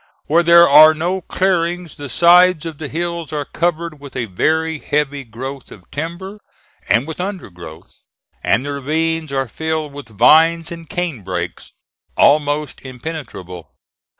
Where there are no clearings the sides of the hills are covered with a very heavy growth of timber and with undergrowth, and the ravines are filled with vines and canebrakes, almost impenetrable.